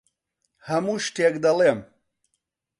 هەموو شتێک دەڵێم.